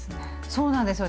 そうなんですよ。